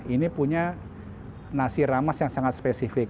ini punya nasi ramas yang sangat spesifik